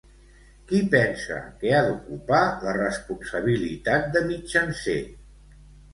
Qui pensa que ha d'ocupar la responsabilitat de mitjancer?